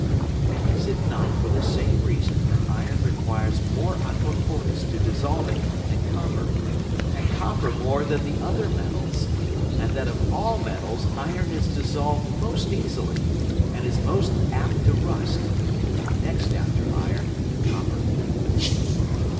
And is it not for the same reason that Iron requires more Aqua fortis to dissolve it than Copper, and Copper more than the other Metals; and that of all Metals, Iron is dissolved most easily, and is most apt to rust; and next after Iron, Copper?